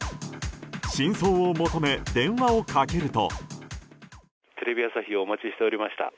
真相を求め、電話をかけると。